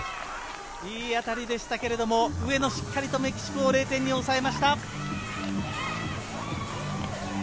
いい当たりでしたけれども、上野がしっかりとメキシコを０点に抑えました。